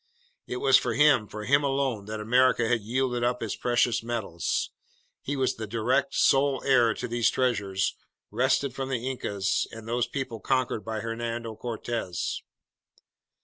It was for him, for him alone, that America had yielded up its precious metals. He was the direct, sole heir to these treasures wrested from the Incas and those peoples conquered by Hernando Cortez!